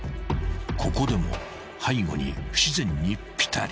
［ここでも背後に不自然にピタリ］